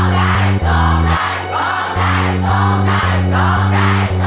โรคให่โกรธใจ